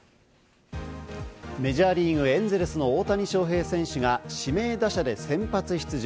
メジャーリーグ、エンゼルスの大谷翔平選手が指名打者で先発出場。